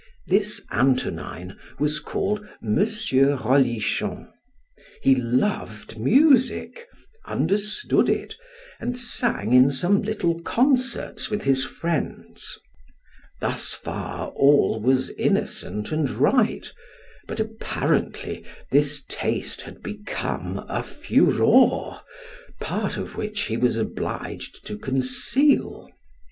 This Antonine was called M. Rotichon; he loved music, understood it, and sang in some little concerts with his friends; thus far all was innocent and right, but apparently this taste had become a furor, part of which he was obliged to conceal.